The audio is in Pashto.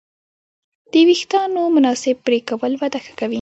د وېښتیانو مناسب پرېکول وده ښه کوي.